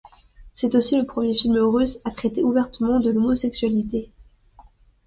C'est aussi le premier film russe à traiter ouvertement de l'homosexualité.